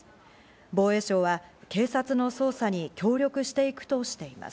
防衛省は警察の捜査に協力していくとしています。